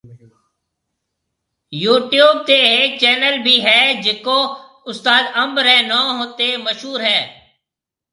يو ٽيوب تي ھيَََڪ چينل بي ھيَََ جڪو استاد انب ري نون تي مشھور ھيَََ